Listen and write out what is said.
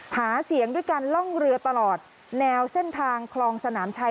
หาเสียงด้วยการล่องเรือตลอดแนวเส้นทางคลองสนามชัย